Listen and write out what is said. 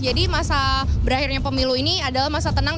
jadi masa berakhirnya pemilu ini adalah masa tenang